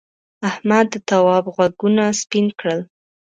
احمد د تواب غوږونه سپین کړل.